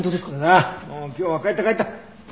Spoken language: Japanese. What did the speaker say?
さあもう今日は帰った帰った！